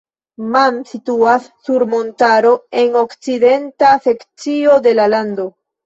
Man situas sur montaro en la okcidenta sekcio de la lando.